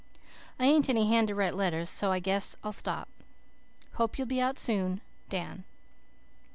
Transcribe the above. "I ain't any hand to write letters so I guess I'll stop. Hope you'll be out soon. DAN."